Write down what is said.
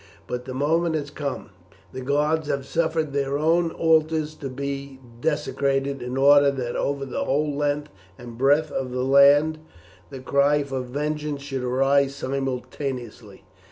But the moment has come; the gods have suffered their own altars to be desecrated in order that over the whole length and breadth of the land the cry for vengeance shall arise simultaneously.